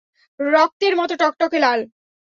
রক্তের মত টকটকে লাল।